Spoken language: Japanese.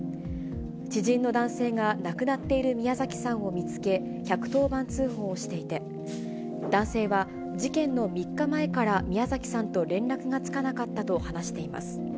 知人の男性が、亡くなっている宮崎さんを見つけ、１１０番通報していて、男性は、事件の３日前から宮崎さんと連絡がつかなかったと話しています。